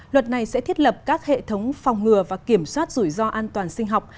luật này sẽ thiết lập các hệ thống phòng ngừa và kiểm soát rủi ro an toàn sinh học